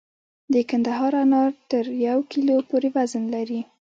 د کندهار انار تر یو کیلو پورې وزن لري.